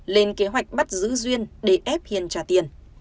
lên kế hoạch bắt giữ duyên để ép hiền trả tiền